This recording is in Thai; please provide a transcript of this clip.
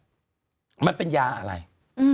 คุณหนุ่มกัญชัยได้เล่าใหญ่ใจความไปสักส่วนใหญ่แล้ว